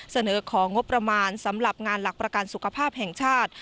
เสนอของงบประมาณสำหรับงานหลักประกันสุขภาพแห่งชาติ